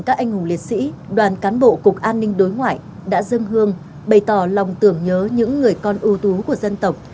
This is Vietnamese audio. các anh hùng liệt sĩ đoàn cán bộ cục an ninh đối ngoại đã dâng hương bày tỏ lòng tưởng nhớ những người con ưu tú của dân tộc